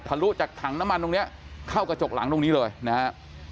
ลุจากถังน้ำมันตรงนี้เข้ากระจกหลังตรงนี้เลยนะฮะ